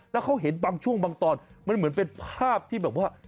แล้วเขาเห็นบางช่วงบางตอนมันเหมือนเป็นภาพที่แบบว่า